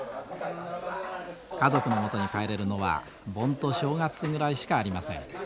家族のもとに帰れるのは盆と正月ぐらいしかありません。